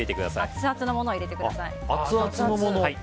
アツアツのものを入れてください。